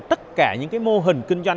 tất cả những mô hình kinh doanh